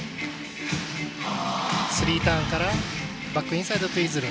スリーターンからバックインサイドツイズル。